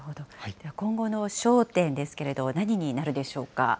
では今後の焦点ですけれども、何になるでしょうか。